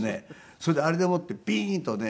それであれでもってビーンとね